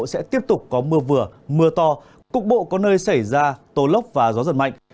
sẽ tiếp tục có mưa vừa mưa to cục bộ có nơi xảy ra tố lốc và gió giật mạnh